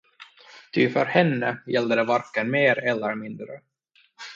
Ty för henne gällde det varken mer eller mindre.